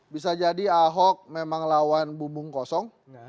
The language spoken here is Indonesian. bisa jadi ahok memang lawan bumbung kosong